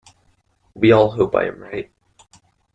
We all hope I am right.